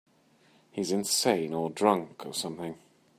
He's insane or drunk or something.